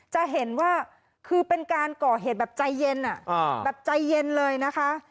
จะเห็นว่าคือเป็นการก่อเหตุแบบใจเย็นแบบใจเย็นเลยนะคะ